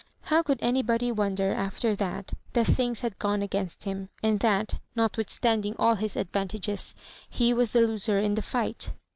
How could anybody wonder, after that, that things had gone against him, and that, notwithstanding all his advantages, he was the loser in the fight